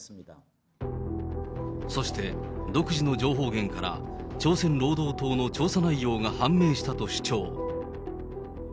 そして、独自の情報源から、朝鮮労働党の調査内容が判明したと主張。